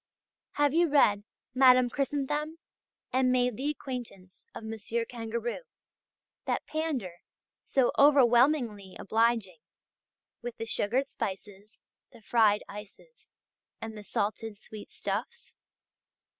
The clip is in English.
Have you read "Madame Chrysanthème," and made the acquaintance of Monsieur Kangourou, that pander, so overwhelmingly obliging, with the sugared spices, the fried ices, and the salted sweetstuffs?